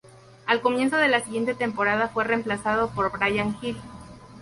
Al comienzo de la siguiente temporada fue reemplazado por Brian Hill.